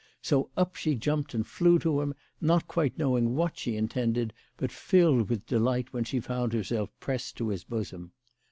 So up she jumped and flew to him, not quite knowing what she intended, but filled with delight when she found herself pressed to his bosom.